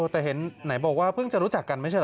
แต่เห็นไหนบอกว่าเพิ่งจะรู้จักกันไม่ใช่เหรอ